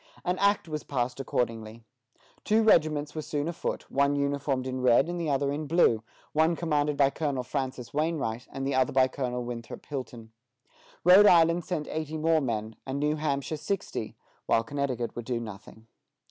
An Act was passed accordingly. Two regiments were soon afoot, one uniformed in red, and the other in blue; one commanded by Colonel Francis Wainwright, and the other by Colonel Winthrop Hilton. Rhode Island sent eighty more men, and New Hampshire sixty, while Connecticut would do nothing.